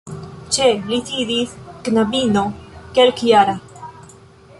Ĉe li sidis knabino kelkjara.